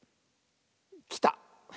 きた！